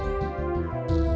tidak bisa diandalkan